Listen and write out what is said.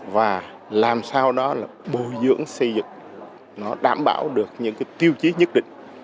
và làm sao đó là bồi dưỡng xây dựng nó đảm bảo được những cái tiêu chí nhất định